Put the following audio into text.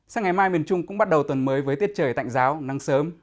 sáng ngày mai miền trung cũng bắt đầu tuần mới với tiết trời tạnh giáo nắng sớm